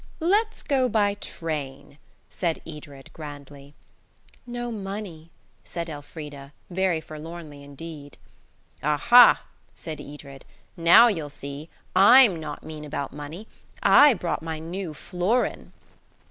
"Let's go by train," said Edred grandly. "No money," said Elfrida, very forlornly indeed. "Aha!" said Edred; "now you'll see. I'm not mean about money. I brought my new florin."